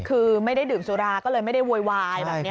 คือไม่ได้ดื่มสุราก็เลยไม่ได้โวยวายแบบนี้